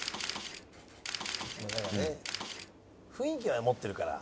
雰囲気は持ってるから。